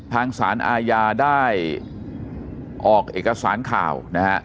ฐานสารอายาได้ออกเอกสารข่าว